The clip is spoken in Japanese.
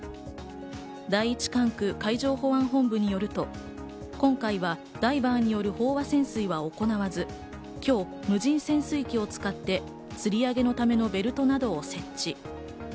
第一管区海上保安本部によると、今回はダイバーによる飽和潜水は行わず、今日、無人潜水機を使って、吊り上げのためのベルトなどを設置。